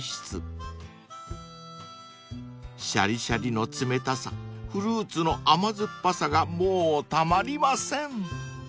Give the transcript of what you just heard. ［シャリシャリの冷たさフルーツの甘酸っぱさがもうたまりません］